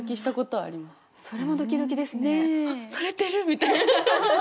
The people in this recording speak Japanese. されてる！みたいな。